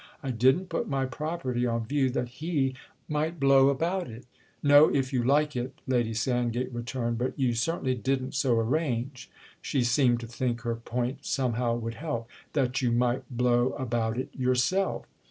I didn't put my property on view that he might blow about it———!" "No, if you like it," Lady Sandgate returned; "but you certainly didn't so arrange"—she seemed to think her point somehow would help—"that you might blow about it yourself!"